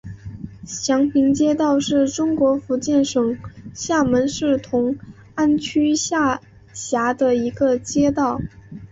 祥平街道是中国福建省厦门市同安区下辖的一个街道。